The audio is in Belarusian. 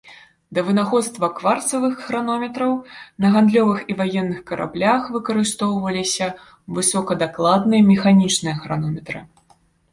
Да вынаходства кварцавых хранометраў, на гандлёвых і ваенных караблях выкарыстоўваліся высокадакладныя механічныя хранометры.